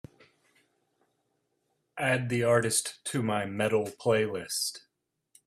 Add the artist to my Metal playlist.